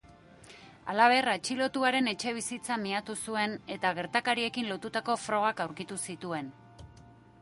Halaber, atxilotuaren etxebizitza miatu zuen, eta gertakariekin lotutako frogak aurkitu zituen.